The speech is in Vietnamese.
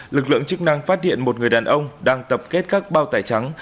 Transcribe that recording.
lực lượng chức năng phát hiện một người đàn ông đang tập kết các bao tải trắng